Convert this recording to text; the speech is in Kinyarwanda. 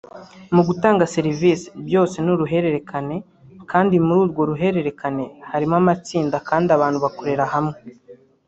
mu gutanga serivisi; byose ni uruhererekane kandi muri urwo ruhererekane harimo amatsinda kandi abantu bakorera hamwe